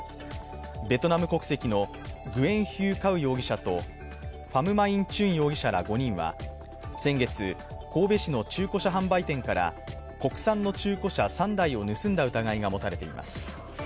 ベトナム国籍のグエン・ヒュー・カウ容疑者とファム・マイン・チュン容疑者ら５人は先月、神戸市の中古車販売店から国産の中古車３台を盗んだ疑いが持たれています。